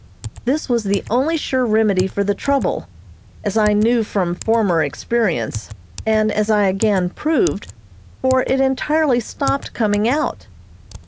This was the only sure remedy for the trouble, as I knew from former experience, and as I again proved, for it entirely stopped coming out.